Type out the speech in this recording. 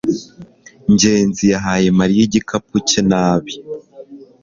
ngenzi yahaye mariya igikapu cye nabi